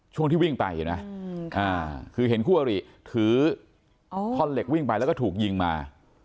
ช่วงที่วิ่งไปเห็นไหมคือเห็นคู่อริถือท่อนเหล็กวิ่งไปแล้วก็ถูกยิงมา